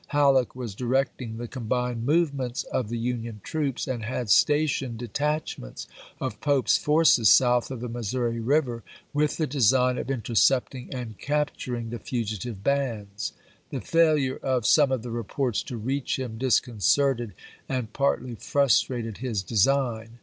Halleck was directing the com bined movements of the Union troops, and had stationed detachments of Pope's forces south of the Missouri River with the design of intercepting and capturing the fugitive bands. The failure of some of the reports to reach him disconcerted and partly frustrated his design.